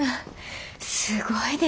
すごいです。